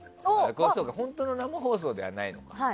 あ、でも本当の生放送ではないのか。